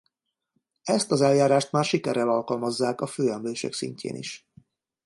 Ezt az eljárást már sikerrel alkalmazzák a főemlősök szintjén is.